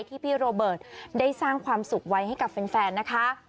พี่โรเบิร์ตได้สร้างความสุขไว้ให้กับแฟนนะคะ